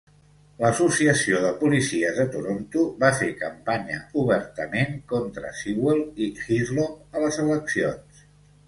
L'associació de policies de Toronto va fer campanya obertament contra Sewell i Hislop a les eleccions.